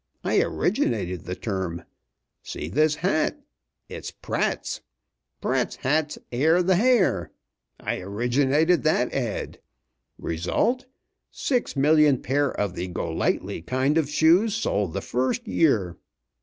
I originated the term. See this hat? It's Pratt's. 'Pratt's Hats Air the Hair.' I originated that ad. Result, six million pair of the Go lightly kind of shoes sold the first year.